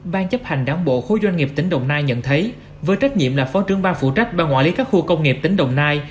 ban chấp hành đảng bộ khối doanh nghiệp tỉnh đồng nai nhận thấy với trách nhiệm là phó trưởng bang phụ trách ban quản lý các khu công nghiệp tỉnh đồng nai